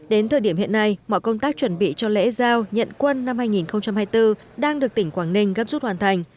đến thời điểm hiện nay mọi công tác chuẩn bị cho lễ giao nhận quân năm hai nghìn hai mươi bốn đang được tỉnh quảng ninh gấp rút hoàn thành